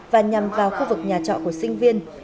và nhằm vào khu vực nhà trọ của sinh viên